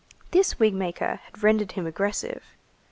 This wig maker had rendered him aggressive.